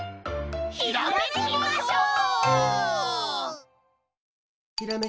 ひらめきましょう！